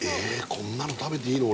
こんなの食べていいの？